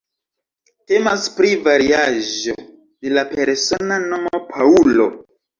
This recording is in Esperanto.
Temas pri variaĵo de la persona nomo "Paŭlo".